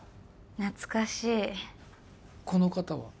懐かしいこの方は？